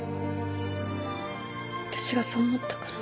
私がそう思ったから。